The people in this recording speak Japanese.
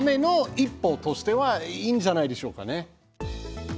一歩としてはいいんじゃないでしょうかね。